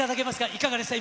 いかがでしたか？